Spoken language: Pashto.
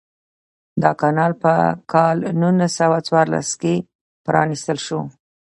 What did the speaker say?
دا کانال په کال نولس سوه څوارلسم کې پرانیستل شو.